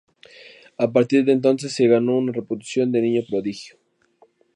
A partir de entonces se ganó una reputación de niño prodigio.